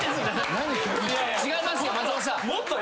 違いますよ松本さん。